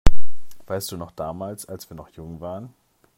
Weißt du noch damals, als wir noch jung waren?